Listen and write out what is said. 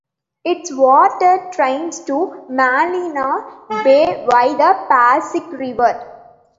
Its water drains to Manila Bay via the Pasig River.